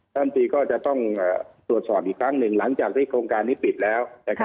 ท่านตรีก็จะต้องตรวจสอบอีกครั้งหนึ่งหลังจากที่โครงการนี้ปิดแล้ว